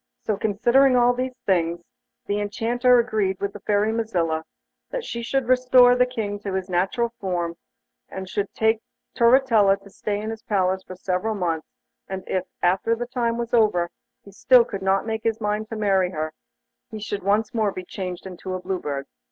So considering all these things the Enchanter agreed with the Fairy Mazilla that she should restore the King to his natural form, and should take Turritella to stay in his palace for several months, and if, after the time was over he still could not make up his mind to marry her, he should once more be changed into a Blue Bird.